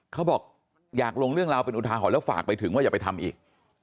เขาบอกอยากลงเรื่องราวเป็นอุทาหรณ์แล้วฝากไปถึงว่าอย่าไปทำอีก